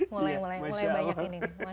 mulai banyak ini